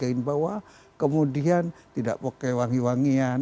bagian bawah kemudian tidak pakai wangi wangian